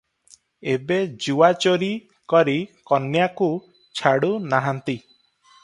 ଏବେ ଜୁଆଚୋରୀ କରି କନ୍ୟାକୁ ଛାଡ଼ୁ ନାହାନ୍ତି ।